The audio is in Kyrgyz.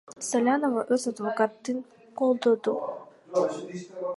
Салянова өз адвокатын колдоду.